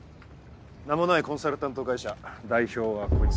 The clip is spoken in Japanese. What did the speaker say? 名もないコンサルタント会社代表はこいつ。